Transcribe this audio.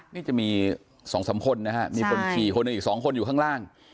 นี่จะมี๒๓คนนะฮะมีคนขี่คนหนึ่งอีก๒คนอยู่ข้างล่าง